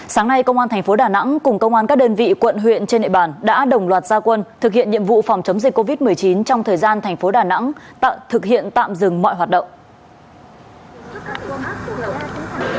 sáng nay công an thành phố đà nẵng cùng công an các đơn vị quận huyện trên địa bàn đã đồng loạt gia quân thực hiện nhiệm vụ phòng chống dịch covid một mươi chín trong thời gian thành phố đà nẵng thực hiện tạm dừng mọi hoạt động